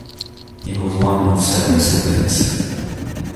He was one of seven siblings.